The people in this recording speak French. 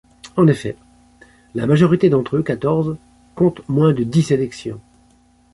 En effet, la majorité d'entre eux, quatorze, compte moins de dix sélections.